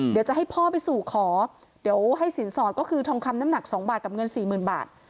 เดี๋ยวจะให้พ่อไปสู่ขอเดี๋ยวให้สินสอดก็คือทองคำน้ำหนัก๒บาทกับเงินสี่หมื่นบาท